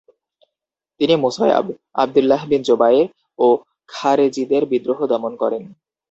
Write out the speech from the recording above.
তিনি Musab, Abdullah bin Zubair ও খারেজীদের বিদ্রোহ দমন করেন।